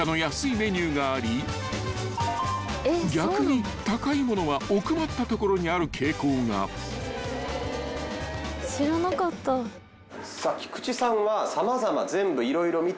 ［逆に高い物は奥まった所にある傾向が］さあ菊地さんは様々。